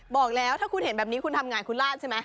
บอกแล้วถ้าคุณเห็นแบบนี้คุณทำงานคุณลาดใช่ไหม